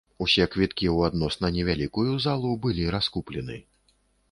Усе квіткі ў адносна невялікую залу былы раскуплены.